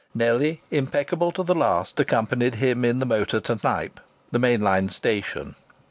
Nellie, impeccable to the last, accompanied him in the motor to Knype, the main line station.